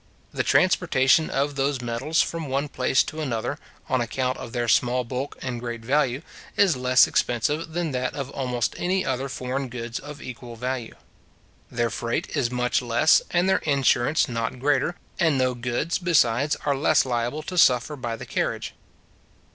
The transportation of those metals from one place to another, on account of their small bulk and great value, is less expensive than that of almost any other foreign goods of equal value. Their freight is much less, and their insurance not greater; and no goods, besides, are less liable to suffer by the carriage.